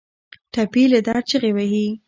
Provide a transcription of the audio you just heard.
ټپي له درد چیغې وهي.